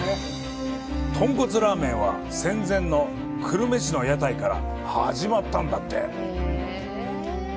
とんこつラーメンは戦前の久留米市の屋台から始まったんだって。